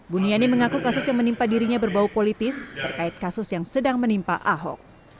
buniani mengaku kasus yang menimpa dirinya berbau politis terkait kasus yang sedang menimpa ahok